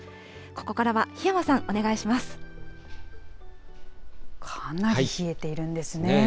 ここからは檜山さん、お願いしまかなり冷えているんですね。